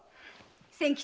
千吉！